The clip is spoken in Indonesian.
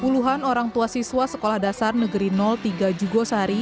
puluhan orang tua siswa sekolah dasar negeri tiga jugosari